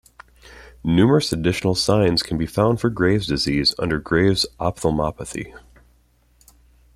Numerous additional signs can be found for Graves disease under Graves' ophthalmopathy.